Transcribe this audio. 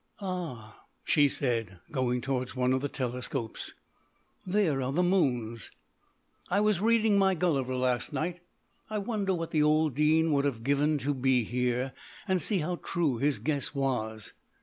"Ah," she said, going towards one of the telescopes, "there are the moons. I was reading my Gulliver last night. I wonder what the old Dean would have given to be here, and see how true his guess was.